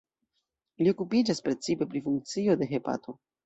Li okupiĝas precipe pri funkcio de hepato.